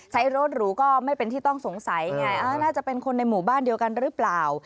ใช้รถหรูก็ไม่เป็นที่ต้องสงสัยไงน่าจะเป็นคนในหมู่บ้านเดียวกันหรือเปล่า